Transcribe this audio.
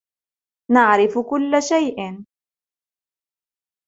نعرف كل شيء.